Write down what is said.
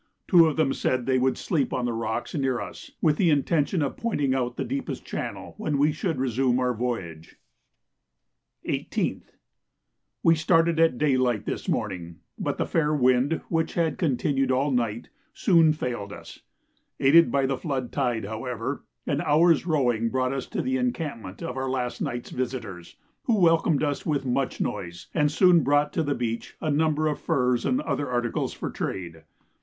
Two of them said they would sleep on the rocks near us, with the intention of pointing out the deepest channel when we should resume our voyage. 18th. We started at daylight this morning, but the fair wind, which had continued all night, soon failed us. Aided by the flood tide, however, an hour's rowing brought us to the encampment of our last night's visitors, who welcomed us with much noise, and soon brought to the beach a number of furs and other articles for trade.